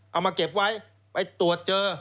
เอามาเก็บไว้ไปตรวจเจอ